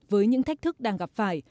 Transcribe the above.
với những thách thức đang gặp phải